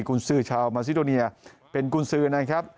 คุณซื้อชาวมาซิโดเนียเป็นกุญสือนะครับ